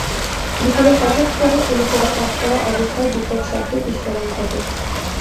বিকেলে হঠাত্ করে শ্রমিকেরা কাজ করা অবস্থায় বিকট শব্দে বিস্ফোরণ ঘটে।